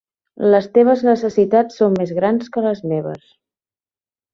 Les teves necessitats són més grans que les meves.